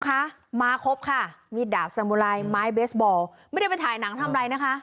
คะมาครบค่ะมีดดาบสมุไรไม้เบสบอลไม่ได้ไปถ่ายหนังทำอะไรนะคะ